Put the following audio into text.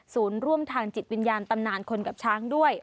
ร่วมทางจิตวิญญาณตำนานคนกับช้างด้วย